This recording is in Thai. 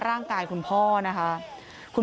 สวัสดีครับทุกคน